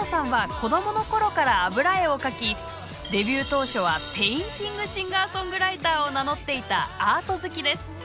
松下さんはデビュー当初はペインティングシンガーソングライターを名乗っていたアート好きです。